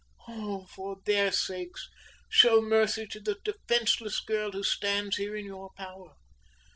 Oh! for their sakes, show mercy to the defenseless girl who stands here in your power!